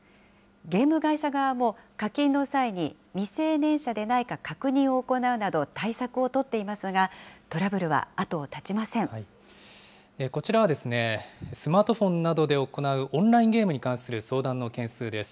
ゲーム会社側も課金の際に、未成年者でないか確認を行うなど対策を取っていますが、トラブルは後こちらは、スマートフォンなどで行うオンラインゲームに関する相談の件数です。